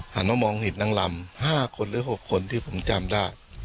หันมามองเห็นนางลำ๕คนหรือ๖คนที่ผมจำได้